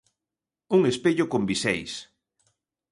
Un espello con biseis.